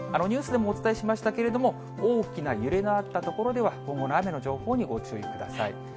ニュースでもお伝えしましたけれども、大きな揺れがあった所では、今後の雨の情報にご注意ください。